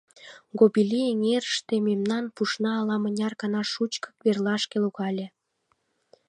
Гобилли эҥерыште мемнан пушна ала-мыняр гана шучко верлашке логале.